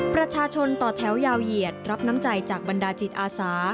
ประชาชนต่อแถวยาวเหยียดรับน้ำใจจากบรรดาจิตอาสา